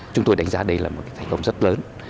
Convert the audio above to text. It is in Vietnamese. chúng tôi đánh giá đây là một thành công rất lớn